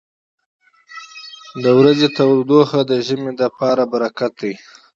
• د ورځې تودوخه د ژمي لپاره برکت دی.